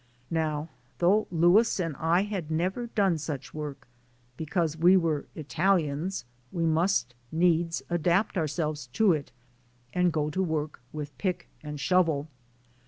Now, though Louis and I had never done such work, because we were Italians we must needs adapt ourselves to it and go to work with "peek and shuvle."